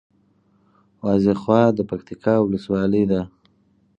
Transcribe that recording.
وازېخواه د پکتیکا ولسوالي ده